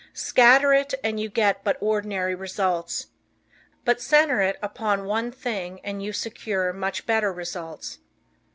Scatter it and you get but ordinary results. But center it upon one thing and you secure much better results.